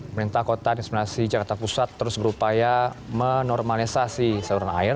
pemerintah kota dan inspeksi jakarta pusat terus berupaya menormalisasi seluruh air